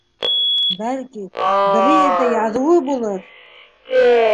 Бәлки, берәй ерҙә яҙыуы булыр!